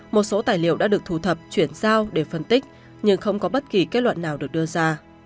một số tài liệu đã được thu thập chuyển giao để phân tích nhưng không có bất kỳ kết luận nào được đưa ra